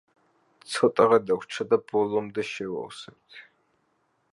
ცოტაღა დაგვრჩა და ბოლომდე შევავსებთ.